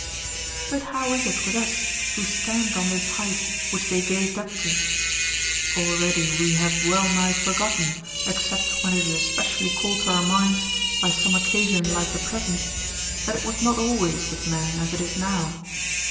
"But how is it with us who stand on this height which they gazed up to? Already we have well nigh forgotten, except when it is especially called to our minds by some occasion like the present, that it was not always with men as it is now.